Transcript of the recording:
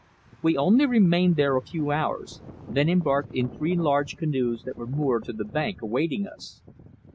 We only remained there a few hours, then embarked in three large canoes that were moored to the bank awaiting us.